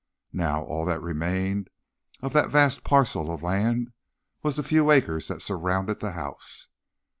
Now, all that remained of that vast parcel of land was the few acres that surrounded the house.